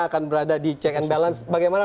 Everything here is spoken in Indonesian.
akan berada di check and balance bagaimana